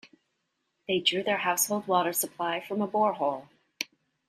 They drew their household water supply from a borehole.